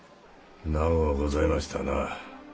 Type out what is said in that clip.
長うございましたな。